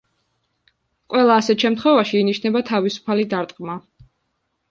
ყველა ასეთ შემთხვევაში ინიშნება თავისუფალი დარტყმა.